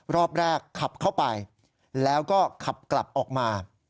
รอบแรกขับเข้าไปแล้วก็ขับกลับออกมา